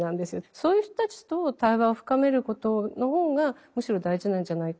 そういう人たちと対話を深めることの方がむしろ大事なんじゃないか。